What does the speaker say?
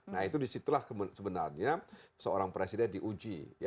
nah itu disitulah sebenarnya seorang presiden diuji